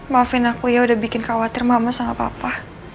maafin aku ya udah bikin khawatir mama sama papa